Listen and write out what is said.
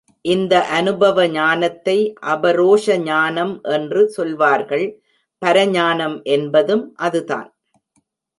இந்த அநுபவ ஞானத்தை அபரோக்ஷ ஞானம் என்று சொல்வார்கள் பரஞானம் என்பதும் அதுதான்.